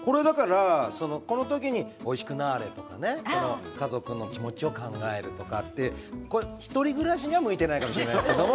この時においしくなあれとか家族の気持ちを考えるとかって１人暮らしには向いていないかもしれないですけど。